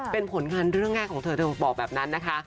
เป็นผลงานเรื่องง่ายของเธอเธอบอกแบบนั้นนะคะ